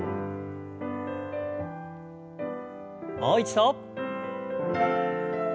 もう一度。